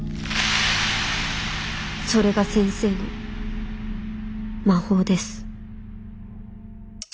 それが先生の『魔法』です」。